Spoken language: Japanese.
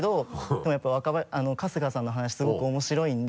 でもやっぱり春日さんの話すごく面白いんで。